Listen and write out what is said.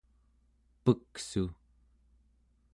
peksu